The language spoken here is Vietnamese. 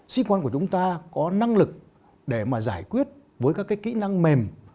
sĩ quan của chúng ta có năng lực để giải quyết với các kỹ năng mềm